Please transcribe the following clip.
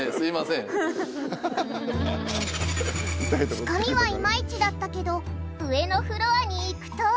つかみはイマイチだったけど上のフロアに行くと！